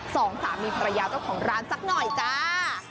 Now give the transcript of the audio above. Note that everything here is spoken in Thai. สองสามีภรรยาเจ้าของร้านสักหน่อยจ้า